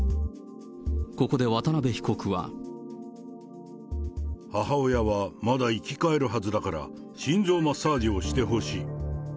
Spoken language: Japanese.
ここで、母親はまだ生き返るはずだから、心臓マッサージをしてほしい。